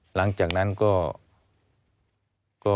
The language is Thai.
หลังจากนั้นก็